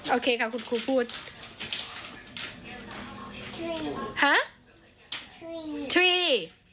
โอเคครับคุณครูพูด